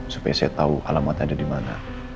supaya saya tau alamatnya ada dimana